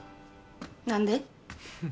何で？